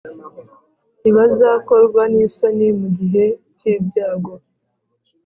Ntibazakorwa n isoni mu g ihe cy ibyago